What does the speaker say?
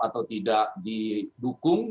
atau tidak di dukung